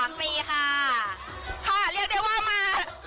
เรียกได้ว่ามา